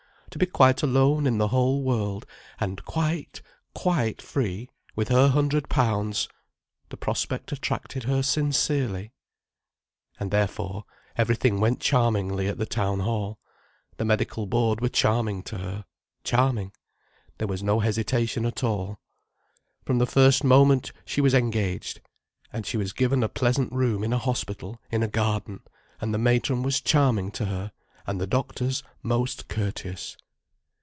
To be quite alone in the whole world—and quite, quite free, with her hundred pounds—the prospect attracted her sincerely. And therefore, everything went charmingly at the Town Hall. The medical board were charming to her—charming. There was no hesitation at all. From the first moment she was engaged. And she was given a pleasant room in a hospital in a garden, and the matron was charming to her, and the doctors most courteous.